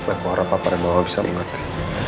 aku harap papa dan mama bisa mengerti